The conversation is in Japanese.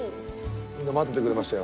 みんな待っててくれましたよ。